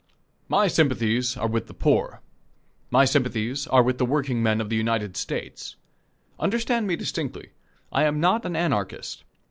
My sympathies are with the poor. My sympathies are with the workingmen of the United States. Understand me distinctly. I am not an Anarchist.